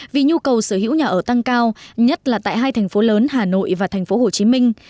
vì nhu cầu sở hữu nhà ở tăng cao nhất là tại hai thành phố lớn hà nội và thành phố hồ chí minh